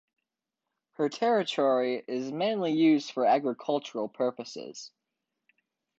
Her territory is mainly used for agricultural purposes.